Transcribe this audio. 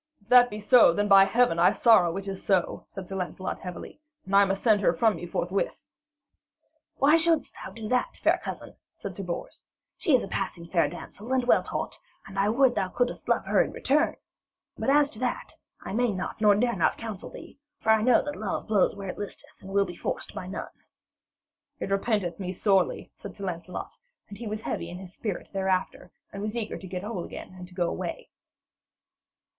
'If that be so, then, by Heaven, I sorrow it is so,' said Sir Lancelot heavily. 'And I must send her from me forthwith.' 'Why shouldst thou do that, fair cousin?' said Sir Bors. 'She is a passing fair damsel and well taught, and I would that thou couldst love her in return. But as to that, I may not nor dare not counsel thee. For I know that love blows where it listeth and will be forced by none.' 'It repenteth me sorely,' said Sir Lancelot, and he was heavy in spirit thereafter, and was eager to get whole again and to go away.